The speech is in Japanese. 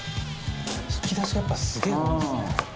「引き出しがやっぱすげえ多いですね」